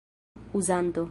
uzanto